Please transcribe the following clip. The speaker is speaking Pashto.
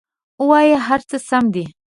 ووایه هر څه سم دي!